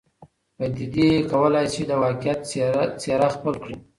پدیدې کولای سي د واقعیت څېره خپل کړي.